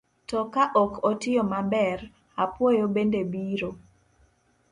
To ka ok otiyo maber, apuoyo bende biro.